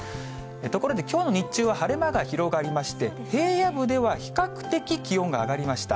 ところできょうの日中は晴れ間が広がりまして、平野部では比較的、気温が上がりました。